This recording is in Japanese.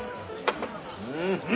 うん！